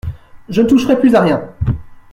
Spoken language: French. Je ne toucherai plus à rien.